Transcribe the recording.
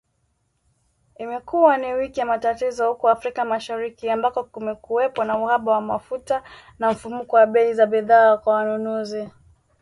Imekuwa ni wiki ya matatizo huko Afrika Mashariki ambako kumekuwepo na uhaba wa mafuta na mfumuko wa bei za bidhaa kwa wanunuzi